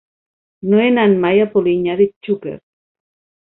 No he anat mai a Polinyà de Xúquer.